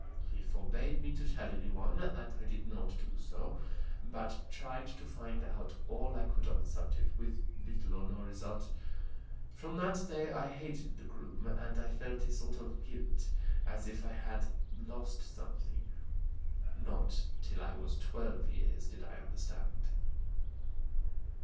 He forbade me to tell anyone, and I did not do so, but tried to find out all I could on the subject, with little or no result. From that day I hated the groom and I felt a sort of guilt, as if I had 'lost something.' Not till I was 12 years did I understand.